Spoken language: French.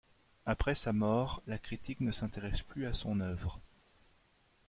Après sa mort, la critique ne s’intéresse plus à son œuvre.